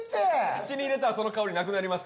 口に入れたらその香りなくなります